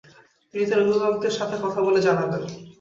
তিনি তার অভিভাবকদের সাথে কথা বলে জানাবেন।